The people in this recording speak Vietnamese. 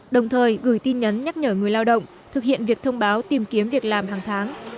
đồng thời gửi tin nhắn nhắc nhở người lao động thực hiện việc thông báo tìm kiếm việc làm hàng tháng